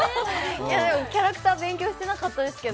でも、キャラクターは勉強してなかったですけど。